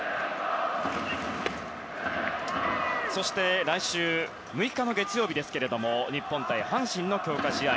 そして、来週６日の月曜日ですけれども日本対阪神の強化試合。